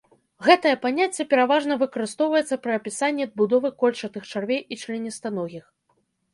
Гэтае паняцце пераважна выкарыстоўваецца пры апісанні будовы кольчатых чарвей і членістаногіх.